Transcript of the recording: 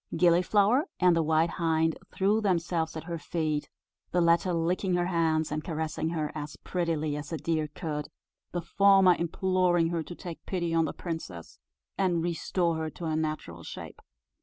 Gilliflower and the white hind threw themselves at her feet the latter licking her hands, and caressing her as prettily as a deer could the former imploring her to take pity on the princess, and restore her to her natural shape.